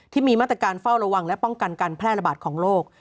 ที่มีมาตรการเฝ้าระวังและป้องกันการแพร่ระบาดของโรค